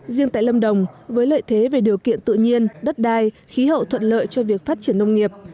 riêng tại lâm đồng với lợi thế về điều kiện tự nhiên đất đai khí hậu thuận lợi cho việc phát triển nông nghiệp